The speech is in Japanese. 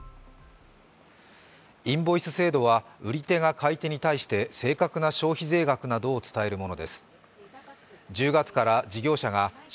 インボイス制度は売り手が買い手に対して正確な消費税額などを伝えるものです。